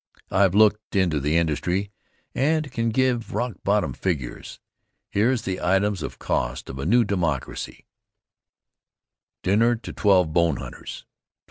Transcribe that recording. I've looked into the industry, and can give rock bottom figures. Here's the items of cost of a new "Democracy A dinner to twelve bone hunters $12.